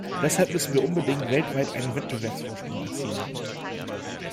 Deshalb müssen wir unbedingt weltweit einen Wettbewerbsvorsprung erzielen.